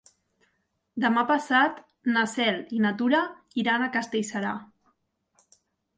Demà passat na Cel i na Tura iran a Castellserà.